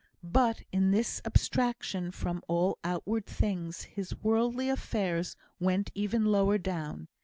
But in this abstraction from all outward things, his worldly affairs went ever lower down.